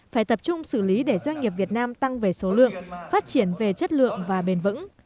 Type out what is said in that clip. phải tập trung xử lý để doanh nghiệp việt nam tăng về số lượng phát triển về chất lượng và bền vững